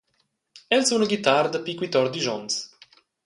El suna ghitara dapi quitordisch onns.